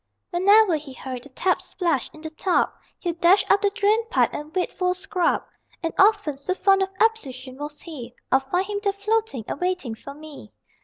Whenever he heard the tap splash in the tub He'd dash up the drain pipe and wait for a scrub, And often, so fond of ablution was he, I'd find him there floating and waiting for me.